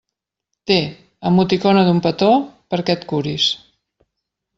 Té —emoticona d'un petó—, perquè et curis.